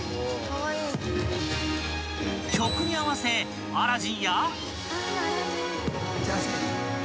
［曲に合わせアラジンや］